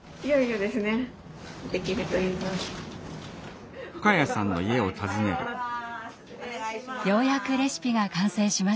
ようやくレシピが完成しました。